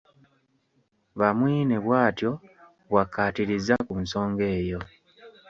Bamwine bw'atyo bw'akkaatirizza ku nsonga eyo.